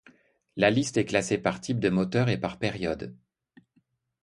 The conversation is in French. La liste est classée par type de moteur et par période.